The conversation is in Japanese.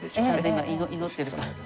今祈ってるから。